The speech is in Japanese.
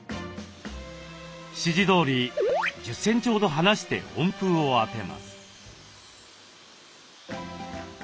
指示どおり１０センチほど離して温風をあてます。